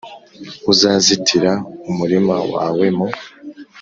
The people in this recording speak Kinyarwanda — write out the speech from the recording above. uzazitira umurima wawe mu